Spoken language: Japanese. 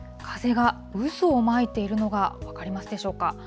風が渦を巻いているのが分かりますでしょうか。